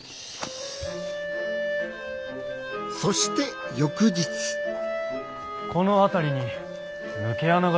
そして翌日この辺りに抜け穴が通じただと？